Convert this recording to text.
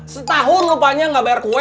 setahun rupanya gak bayar kue